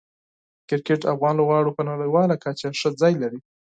د کرکټ افغان لوبغاړو په نړیواله کچه ښه ځای لري.